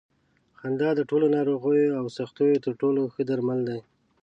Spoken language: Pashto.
خندا د ټولو ناروغیو او سختیو تر ټولو ښه درمل دي.